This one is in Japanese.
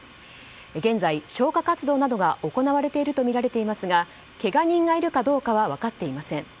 現在、消火活動などが行われているとみられますがけが人などがいるかは分かっていません。